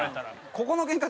ここのケンカ